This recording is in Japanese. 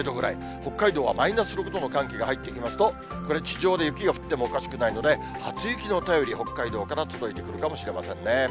北海道はマイナス６度の寒気が入ってきますと、これ、地上で雪が降ってもおかしくないので、初雪の便り、北海道から届いてくるかもしれませんね。